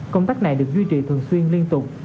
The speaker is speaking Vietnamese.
công tác này được duy trì thường xuyên liên tục